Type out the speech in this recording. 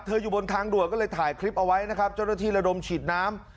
อยู่บนทางด่วนก็เลยถ่ายคลิปเอาไว้นะครับเจ้าหน้าที่ระดมฉีดน้ำ